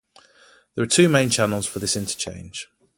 There are two main channels for this interchange.